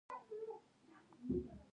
د امیر شهید باغ په جلال اباد کې دی